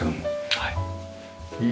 はい。